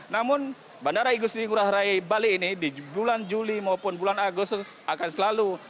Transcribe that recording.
namun bandara igusti ngurah rai bali ini di bulan juli maupun bulan agustus akan selalu